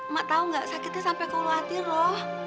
mak tau gak sakitnya sampe ke lu hati rok